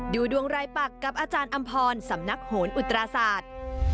ดูดวงรายปักกับอาจารย์อำพรสำนักโหนอุตราศาสตร์